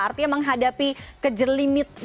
artinya menghadapi kejelimitan